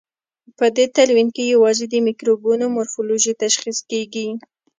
په دې تلوین کې یوازې د مکروبونو مورفولوژي تشخیص کیږي.